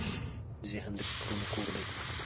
ذهن د فکرونو کور دی.